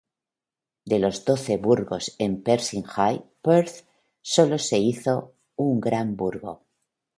De los doce burgos en Perthshire, Perth sólo se hizo un gran burgo.